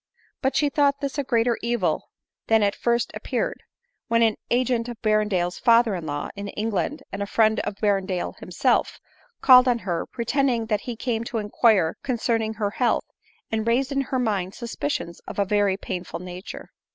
But she thought this a greater evil than it at first ap peared ; when an agent of Berrendale's father in law in England, and a friend of Berrendale himself, called on her, pretending that he came to inquire concerning her health, and raised in her mind suspicions of a very pain ful nature.